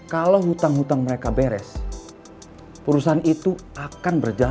kalau kita ngungkapin rasa cinta kita